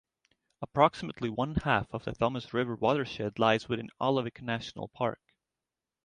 Approximately one half of the Thomsen River watershed lies within Aulavik National Park.